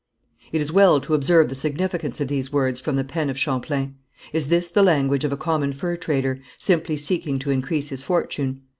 It is well to observe the significance of these words from the pen of Champlain. Is this the language of a common fur trader, simply seeking to increase his fortune?